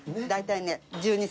大体ね。